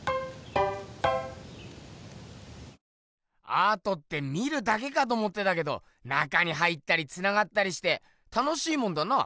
アートって見るだけかと思ってたけど中に入ったりつながったりして楽しいもんだな。